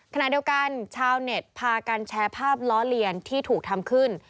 ขณะเดียวกันชาวเน็ตพากันแชร์ภาพล้อเลียนที่ถูกทำขึ้น